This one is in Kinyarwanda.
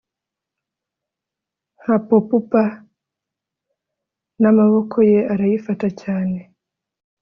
Nka popup namaboko ye arayifata cyane